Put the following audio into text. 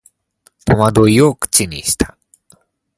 戸惑いを口にした